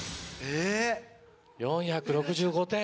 ４６５点。